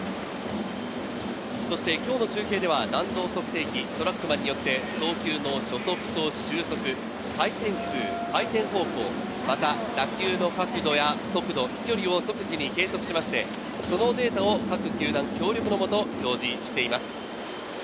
今日の中継では弾道測定器・トラックマンによって投球の初速と終速、回転数、回転方向、また打球の角度や速度、飛距離を即時に計測しまして、そのデータを各球団協力のもと表示しています。